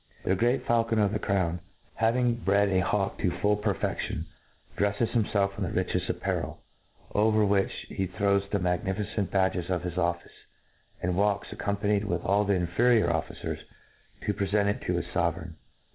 The Great Faulconer of the Crown, having bred a hawk to full perfedion, drefTes himfelf in the richeft apparel, over which he throws the magnificent badges of his office and walks, accompaniedwitballhis inferior officers, to prefent it to his fovereign.